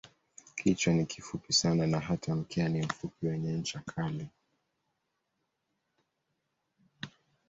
Kichwa ni kifupi sana na hata mkia ni mfupi wenye ncha kali.